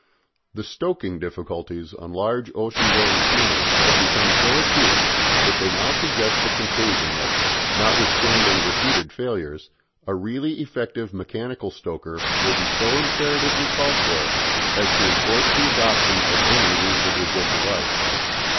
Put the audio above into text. The stoking difficulties on large ocean going steamers have become so acute that they now suggest the conclusion that, notwithstanding repeated failures, a really effective mechanical stoker will be so imperatively called for as to enforce the adoption of any reasonably good device.